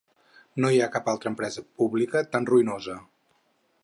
No hi ha cap altra empresa pública tan ruïnosa.